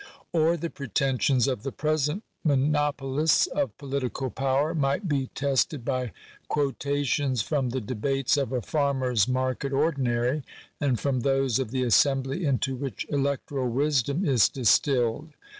Or the pretensions of the present monopolists of political power might be tested by quotations from the debates of a farmer s market ordinary, and from those of the assembly into which electoral wisdom is distilled.